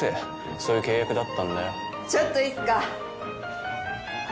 そういう契約だったんだよちょっといいっすか？